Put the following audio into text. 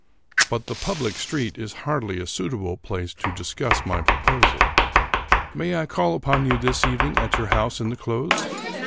But the public street is hardly a suitable place to discuss my proposal. May I call upon you this evening at your house in the close?